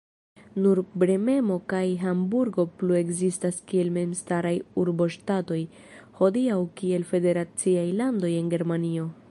Nur Bremeno kaj Hamburgo plu-ekzistas kiel memstaraj urboŝtatoj, hodiaŭ kiel federaciaj landoj de Germanio.